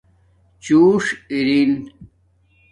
چھݸݽ ارینگ